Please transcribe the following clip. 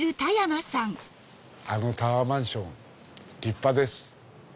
あのタワーマンション立派です。